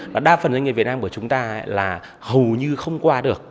và đa phần doanh nghiệp việt nam của chúng ta là hầu như không qua được